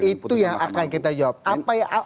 itu yang akan kita jawab